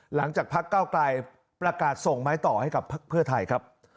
หลังจากพักเก้าไกลประกาศส่งไม้ต่อให้กับพักเพื่อไทยครับ